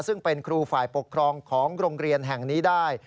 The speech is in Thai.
ซึ่งเป็นครูฝ่ายปกครองของโรงเรียนแห่งนี้ได้